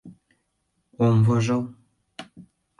Ом вожыл.